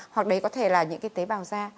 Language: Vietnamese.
hoặc đấy có thể là những cái tế bào da